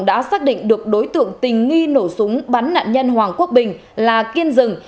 đã xác định được đối tượng tình nghi nổ súng bắn nạn nhân hoàng quốc bình là kiên rừng